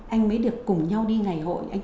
anh mới được cùng nhau đi ngày hội